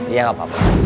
ya gak apa apa